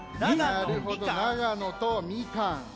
なるほどながのとみかん。